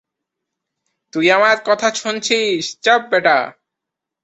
এ আসনের বর্তমান সংসদ সদস্য কাজী ফিরোজ রশীদ।